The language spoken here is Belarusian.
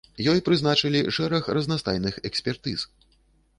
Ёй прызначылі шэраг разнастайных экспертыз.